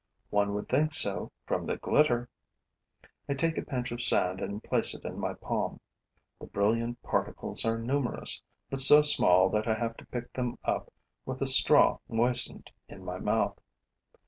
One would think so, from the glitter. I take a pinch of sand and place it in my palm. The brilliant particles are numerous, but so small that I have to pick them up with a straw moistened in my mouth.